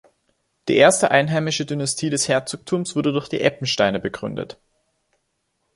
Die erste einheimische Dynastie des Herzogtums wurde durch die Eppensteiner begründet.